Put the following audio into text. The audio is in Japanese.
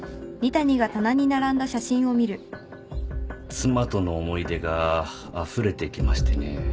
妻との思い出があふれてきましてね。